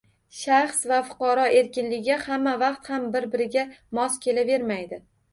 Shaxs va fuqaro erkinligi hamma vaqt ham bir-biriga mos kelavermaydi.